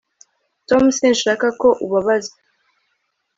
tom, sinshaka ko ubabaza